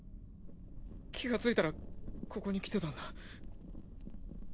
気がついたらここに来てたんだ。